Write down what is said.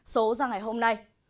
số ra ngày hôm nay